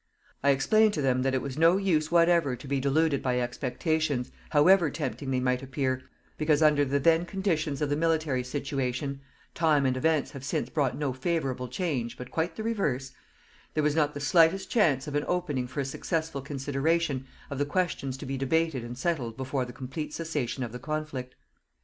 I explained to them that it was no use whatever to be deluded by expectations, however tempting they might appear, because under the then conditions of the military situation time and events have since brought no favourable change but quite the reverse there was not the slightest chance of an opening for a successful consideration of the questions to be debated and settled before the complete cessation of the conflict.